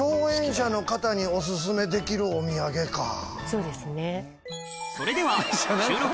そうですね。